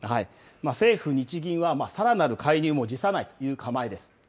政府・日銀は、さらなる介入も辞さないという構えです。